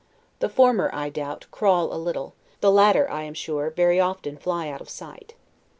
The former, I doubt, crawl a little; the latter, I am sure, very often fly out of sight.